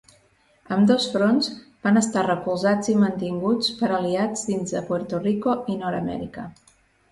Ambdós fronts van estar recolzats i mantinguts per aliats dins de Puerto Rico i Nord-Amèrica.